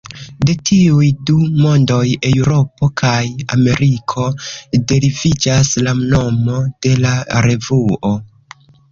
De tiuj du "mondoj", Eŭropo kaj Ameriko, deriviĝas la nomo de la revuo.